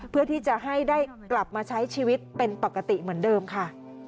เพื่อที่จะให้ได้กลับมาใช้ชีวิตเป็นปกติเหมือนเดิมค่ะ